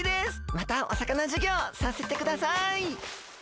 またお魚授業させてください。